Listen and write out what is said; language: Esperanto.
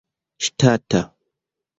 ŝtata